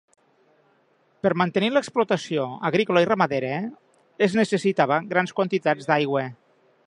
Per mantenir l'explotació agrícola i ramadera es necessitava grans quantitats d'aigua.